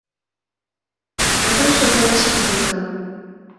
我都想好似佢噉